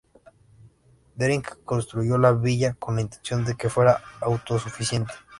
Deering construyó la Villa con la intención de que fuera autosuficiente.